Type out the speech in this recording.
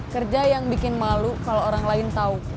kerja yang bikin malu kalau orang lain tahu